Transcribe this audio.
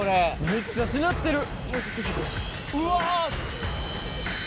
めっちゃしなってる！うわ！